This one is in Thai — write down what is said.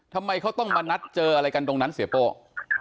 ทำไมเขาต้องมานัดเจออะไรกันตรงนั้นเสียโป้